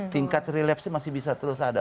tingkat relapsi masih bisa terus ada